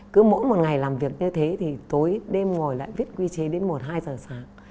cứ mỗi một ngày làm việc như thế thì tối đêm ngồi lại viết quy chế đến một hai giờ sáng